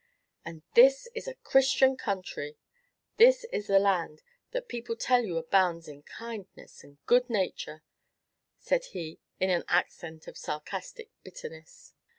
"And this is a Christian country! this a land that people tell you abounds in kindness and good nature!" said he, in an accent of sarcastic bitterness.